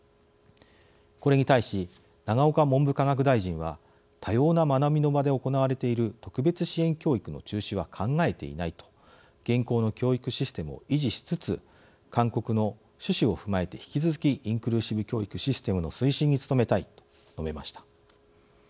これに対し、永岡文部科学大臣は「多様な学びの場で行われている特別支援教育の中止は考えていない」と現行の教育システムを維持しつつ「勧告の趣旨を踏まえて引き続きインクルーシブ教育システムの推進に努めたい」と述べました。